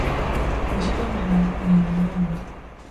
Njiwa ni la nani.